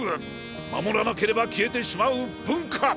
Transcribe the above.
守らなければ消えてしまう文化！